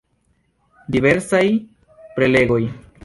Diversaj prelegoj.